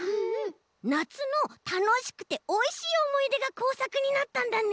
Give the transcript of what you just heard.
なつのたのしくておいしいおもいでがこうさくになったんだね。